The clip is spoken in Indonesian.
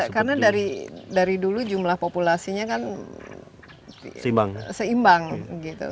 karena dari dulu jumlah populasinya kan seimbang